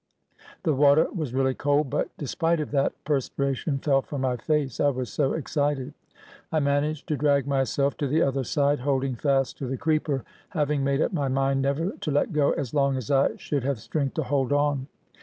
The water was really cold, but, de spite of that, perspiration fell from my face, I was so ex cited. I managed to drag myself to the other side, hold ing fast to the creeper, having made up my mind never to let go as long as I should have strength to hold on.